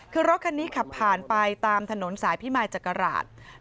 คือรถคันนี้ขับผ่านไปตามถนนสายพิมายจังหวัดนครรัชศรีมาร์